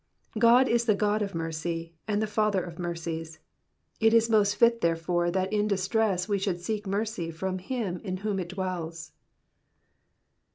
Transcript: God is the God of mercy, and the Father of mercies, it is most fit therefore that in distress he should seek mercy from him in whom it dwells.